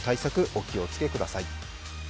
お気をつけください。